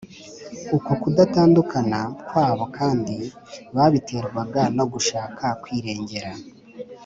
uko kudatandukana kwabo kandi, babiterwaga no gushaka kwirengera,